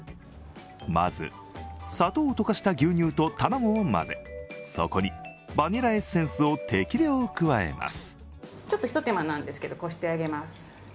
まず、砂糖を溶かした牛乳と卵を混ぜそこにバニラエッセンスを適量加えます。